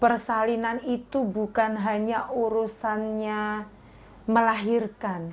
persalinan itu bukan hanya urusannya melahirkan